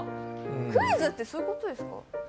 クイズってそういうことですか？